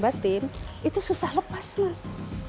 batin itu susah lepas mas